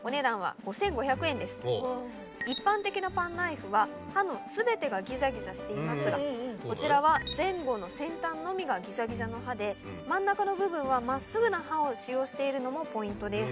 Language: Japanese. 一般的なパンナイフは刃の全てがギザギザしていますがこちらは前後の先端のみがギザギザの刃で真ん中の部分は真っすぐな刃を使用しているのもポイントです。